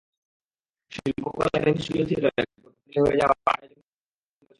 শিল্পকলা একাডেমির স্টুডিও থিয়েটারে গতকাল বিকেলে হয়ে যাওয়া আয়োজনটি ছিল ছোট পরিসরে।